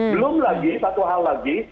belum lagi satu hal lagi